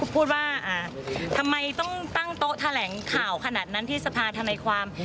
ผู้ที่ออกมาจากสื่อว่าใครพูดว่าทำไมต้องตั้งโต๊ะแทนแหลงข่าวขนาดนั้นที่สะพาทนายความ